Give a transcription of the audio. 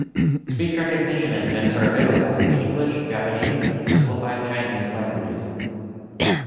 Speech recognition engines are available for the English, Japanese, and Simplified Chinese languages.